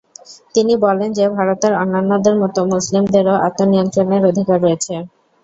তিনি বলেন যে ভারতের অন্যান্যদের মত মুসলিমদেরও আত্মনিয়ন্ত্রণের অধিকার রয়েছে।